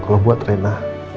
kalau buat rena